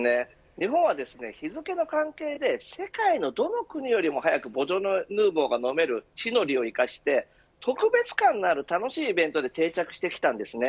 日本は日付の関係で世界のどの国よりも早くボジョレ・ヌーボーが飲める地の利を生かして特別感のある楽しいイベントで定着してきたんです。